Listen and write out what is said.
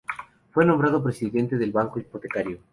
Fue nombrado presidente del Banco Hipotecario.